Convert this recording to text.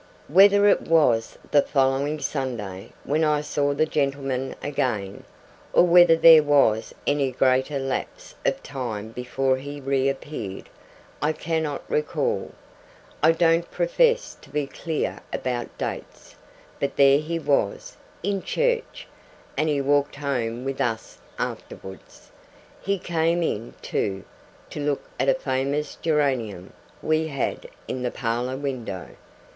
Whether it was the following Sunday when I saw the gentleman again, or whether there was any greater lapse of time before he reappeared, I cannot recall. I don't profess to be clear about dates. But there he was, in church, and he walked home with us afterwards. He came in, too, to look at a famous geranium we had, in the parlour window.